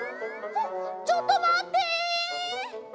ちょっとまって！